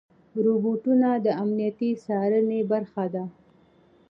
روبوټونه د امنیتي څارنې برخه دي.